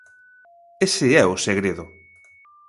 Ese é o segredo.